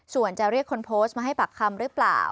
ส่วนจะเรียกคนโพสต์มาให้ปากคำหรือเปล่า